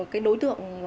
cái đối tượng